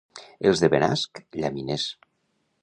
Els de Benasc, llaminers.